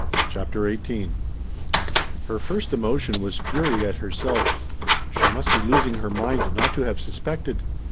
CHAPTER XVIII Her first emotion was fury at herself. She must be losing her mind not to have suspected!